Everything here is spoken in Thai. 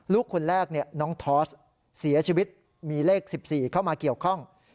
ลูกคนแรกน้องทอสเสียชีวิตมีเลข๑๔เข้ามาเกี่ยวข้อง